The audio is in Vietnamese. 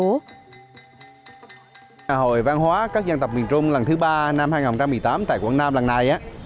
ngày hội văn hóa các dân tộc miền trung lần thứ ba năm hai nghìn một mươi tám tại quảng nam lần này